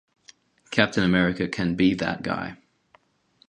Captain America can be that guy.